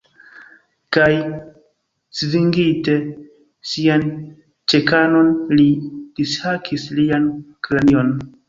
Kaj, svinginte sian ĉekanon, li dishakis lian kranion.